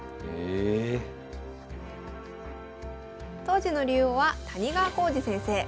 当時の竜王は谷川浩司先生。